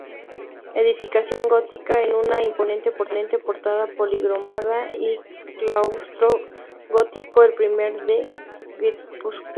Edificación gótica con una imponente portada policromada y claustro gótico, el primero de Guipúzcoa.